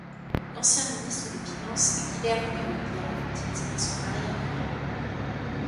L’ancien ministre des Finances Guilherme de Oliveira Martins était son arrière-neveu.